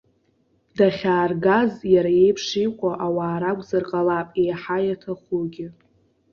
Дахьааргаз иара иеиԥш иҟоу ауаа ракәзар ҟалап еиҳа иаҭахугьы.